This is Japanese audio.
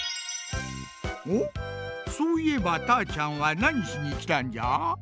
おっそういえばたーちゃんはなにしにきたんじゃ？